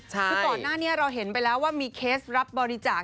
คือก่อนหน้านี้เราเห็นไปแล้วว่ามีเคสรับบริจาค